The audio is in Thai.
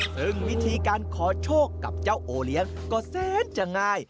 ซึ่งวิธีการขอโชคกับเจ้าโอเลี้ยงก็แสนจะง่าย